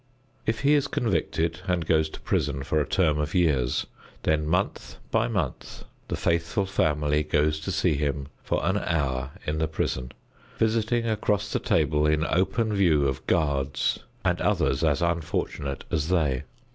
If he is convicted and goes to prison for a term of years, then month by month the faithful family goes to see him for an hour in the prison, visiting across the table in open view of guards and others as unfortunate as they.